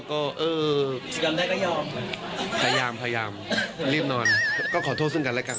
ก็คือพยายามรีบนอนก็ขอโทษซึ่งกันแล้วกัน